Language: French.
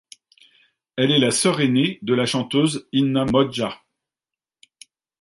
Elle est la sœur aînée de la chanteuse Inna Modja.